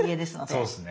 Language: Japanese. そうですね。